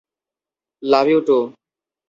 Love you two.